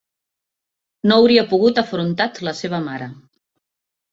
No hauria pogut afrontat la seva mare.